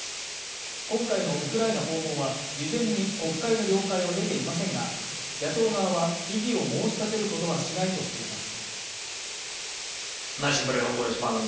今回のウクライナ訪問は事前に国会の了解を得ていませんが、野党側は異議を申し立てることはしないとしています。